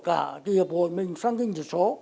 và doanh nghiệp hội mình sang kinh tế số